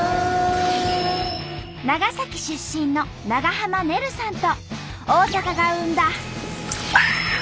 長崎出身の長濱ねるさんと大阪が生んだ。